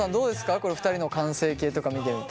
これ２人の完成形とか見てみて。